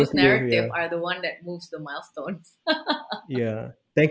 naratif itu adalah yang memindahkan perjalanan